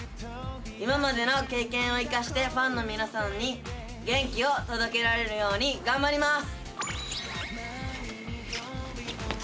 今までの経験を生かしてファンの皆さんに元気を届けられるように頑張ります！